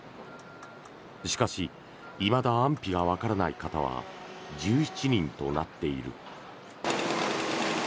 しかしいまだ安否がわからない方は１７人となっている。